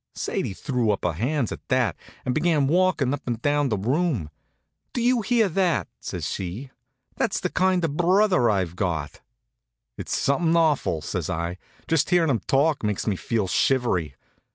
Sadie threw up her hands at that, and began walkin' up and down the room. "Do you hear that?" says she. "That's the kind of a brother I've got." "It's something awful," says I. "Just hearin' him talk makes me feel shivery.